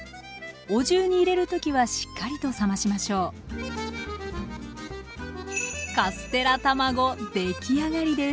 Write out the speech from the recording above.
お重に入れる時はしっかりと冷ましましょうできあがりです